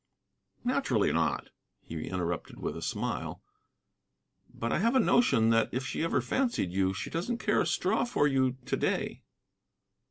"Naturally not " he interrupted, with a smile. "But I have a notion that, if she ever fancied you, she doesn't care a straw for you to day."